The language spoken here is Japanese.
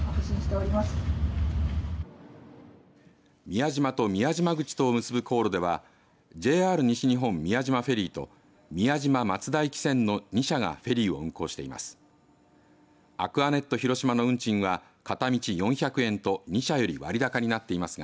宮島と宮島口とを結ぶ航路ではＪＲ西日本宮島フェリーと宮島松大汽船の２社がフェリーを運航しています。